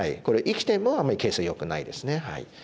これ生きてもあんまり形勢よくないですね。